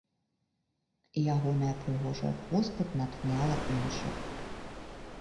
І ягоная прыгожая постаць натхняла іншых.